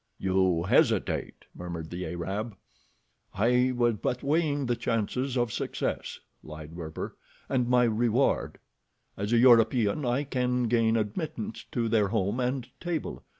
"You hesitate," murmured the Arab. "I was but weighing the chances of success," lied Werper, "and my reward. As a European I can gain admittance to their home and table.